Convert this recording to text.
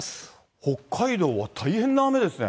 北海道は大変な雨ですね。